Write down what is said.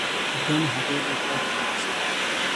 د چرګانو هګۍ باید پاکې ټولې شي.